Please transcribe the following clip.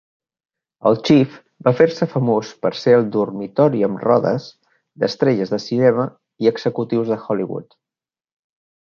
El "Chief" va fer-se famós per ser el "dormitori amb rodes" d'estrelles de cinema i executis de Hollywood.